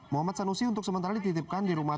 muhammad sanusi untuk sementara dititipkan di rumah